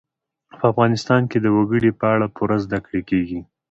په افغانستان کې د وګړي په اړه پوره زده کړه کېږي.